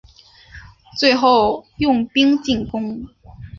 最后用兵进攻。